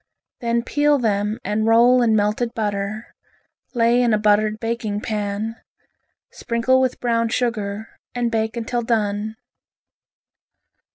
Then peel them and roll in melted butter, lay in a buttered baking pan. Sprinkle with brown sugar and bake until done.